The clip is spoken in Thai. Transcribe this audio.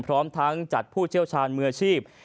พร้อมทั้งจัดผู้เชี่ยวชาญมืออาชีพ